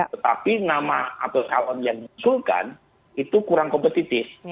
tetapi nama atau kawan yang dimusulkan itu kurang kompetitif